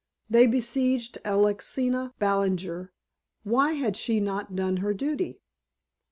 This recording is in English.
They besieged Alexina Ballinger. Why had she not done her duty?